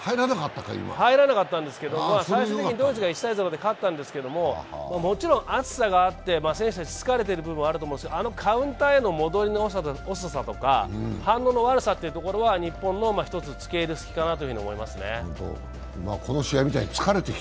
入らなかったんですけど、最終的にドイツが１−０で勝ったんですけど、もちろん暑さがあって選手たち疲れている部分もあるんですけどあのカウンターへの戻りの遅さとか反応の悪さというのが日本の欠点かと思いますね。